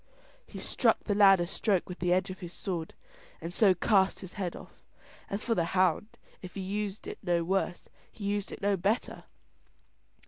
He struck the lad a stroke with the edge of his sword, and so cast his head off. As for the hound, if he used it no worse, he used it no better.